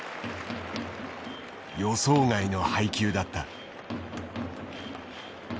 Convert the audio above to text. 予想外の配球だった。